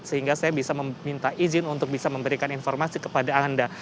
sehingga saya bisa meminta izin untuk bisa memberikan informasi kepada anda